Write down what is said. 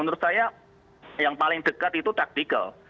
menurut saya yang paling dekat itu taktikal